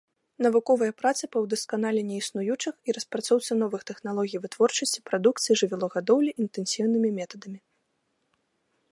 Навуковыя працы па ўдасканаленні існуючых і распрацоўцы новых тэхналогій вытворчасці прадукцыі жывёлагадоўлі інтэнсіўнымі метадамі.